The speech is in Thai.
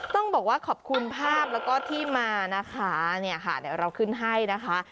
ต้องบอกว่าขอบคุณภาพแล้วก็ที่มานะคะเนี่ยค่ะเดี๋ยวเราขึ้นให้นะคะ